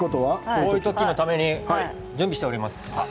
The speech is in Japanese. こういう時のために準備をしています